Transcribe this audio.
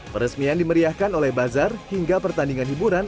pembangunan ini meresmikan oleh bazar hingga pertandingan hiburan